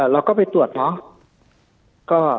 เราก็ไปตรวจเนาะ